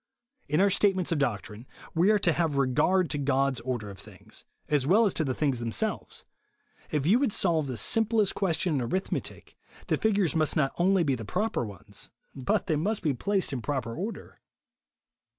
In our statements of doctrine, we are to have regard to God's order of things, a^ well as to the things themselves. If you would solve the sim plest question in arithmetic, the figures must not only be the proper ones, but they must be placed in proper order.